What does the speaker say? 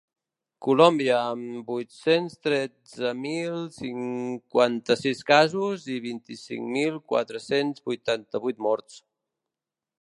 Colòmbia, amb vuit-cents tretze mil cinquanta-sis casos i vint-i-cinc mil quatre-cents vuitanta-vuit morts.